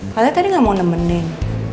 kalian tadi nggak mau nemenin